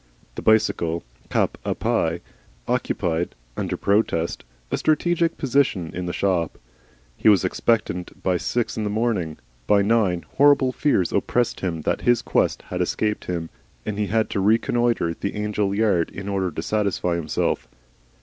The bicycle, cap a pie, occupied, under protest, a strategic position in the shop. He was expectant by six in the morning. By nine horrible fears oppressed him that his quest had escaped him, and he had to reconnoitre the Angel yard in order to satisfy himself.